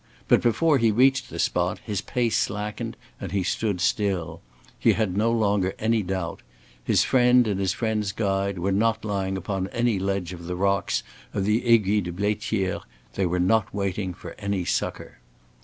But before he reached the spot, his pace slackened, and he stood still. He had no longer any doubt. His friend and his friend's guide were not lying upon any ledge of the rocks of the Aiguille de Blaitière; they were not waiting for any succor.